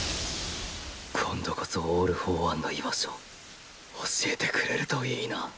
今度こそオール・フォー・ワンの居場所教えてくれるといいな。